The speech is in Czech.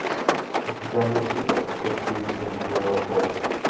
Počítány jsou pak výsledky jen druhého kola.